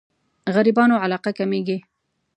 غريبانو علاقه کمېږي.